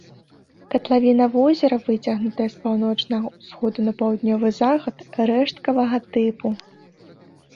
Катлавіна возера выцягнутая з паўночнага ўсходу на паўднёвы захад, рэшткавага тыпу.